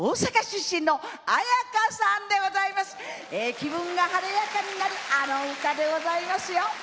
気分が晴れやかになるあの歌でございますよ。